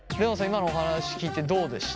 今のお話聞いてどうでした？